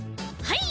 はい。